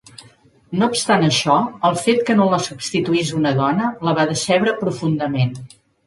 No obstant això, el fet que no la substituís una dona la va decebre profundament.